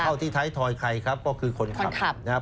เข้าที่ท้ายถอยใครครับก็คือคนขับ